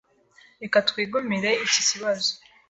Reka twigumire iki kibazo.